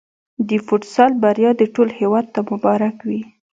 د فوتسال بریا دې ټول هېواد ته مبارک وي.